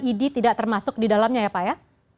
idi tidak termasuk di dalamnya ya pak ya